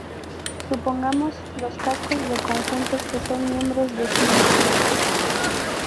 Supongamos los casos de conjuntos que son miembros de sí mismos.